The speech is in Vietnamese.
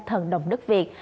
thần đồng đức việt